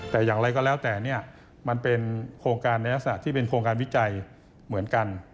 แต่อย่างไรก็แล้วแต่เนี่ยมันเป็นโครงการในลักษณะที่เป็นโครงการวิจัยเหมือนกัน